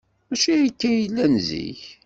Maci akka ay llan zik.